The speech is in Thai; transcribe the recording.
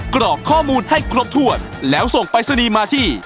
กรอกข้อมูลให้ครบถ้วนแล้วส่งปรายศนีย์มาที่